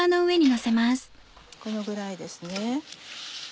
このぐらいですね。